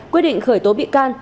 hai quyết định khởi tố bị can